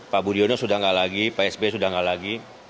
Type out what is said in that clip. pak budiono sudah enggak lagi pak sbi sudah enggak lagi